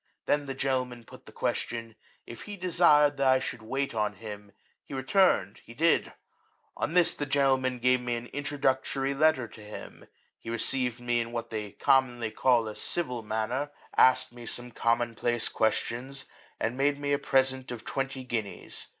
Then the gentleman put the question. If he desired that I should wait on him ? he returned, he did. On this, . the gentleman gave me an introductory *^ letter to him. He received me in what they commonly call a civil manner; asked " me some common place questions; and made me a present of twenty guineas.